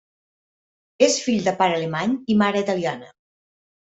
És fill de pare alemany i mare italiana.